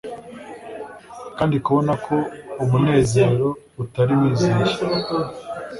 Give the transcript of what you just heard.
kandi kubona ko umunezero utari wizeye